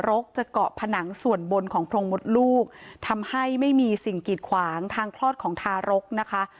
รกจะเกาะผนังส่วนบนของพรงมดลูกทำให้ไม่มีสิ่งกีดขวางทางคลอดของทารกนะคะ